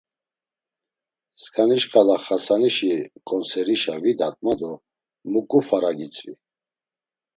Skani şkala Xasanişi ǩonserişa vidat ma do muǩu fara gitzvi!